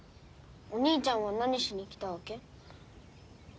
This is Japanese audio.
お兄ちゃんは何しに来たわけ？